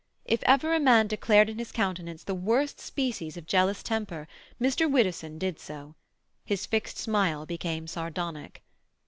If ever a man declared in his countenance the worst species of jealous temper, Mr. Widdowson did so. His fixed smile became sardonic.